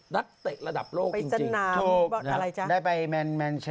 ต้องปิดเบรกอย่างนั้นค่ะ